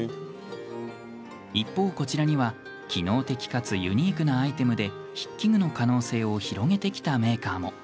一方、こちらには機能的かつユニークなアイテムで筆記具の可能性を広げてきたメーカーも。